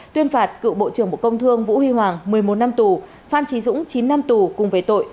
tuyên phạt cựu bộ trưởng bộ công thương vũ huy hoàng một mươi một năm tù phan trí dũng chín năm tù cùng về tội